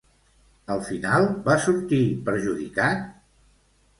Al final va sortir perjudicat?